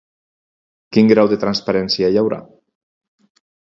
Quin grau de transparència hi haurà?